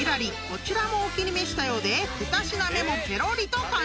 こちらもお気に召したようで２品目もペロりと完食］